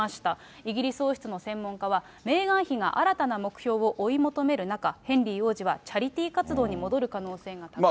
イギリス王室の専門家は、メーガン妃が新たな目標を追い求める中、ヘンリー王子はチャリティー活動に戻る可能性も高いと。